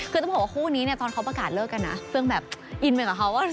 คือต้องบอกว่าคู่นี้เนี่ยตอนเขาประกาศเลิกกันนะเฟื่องแบบอินไปกับเขาว่า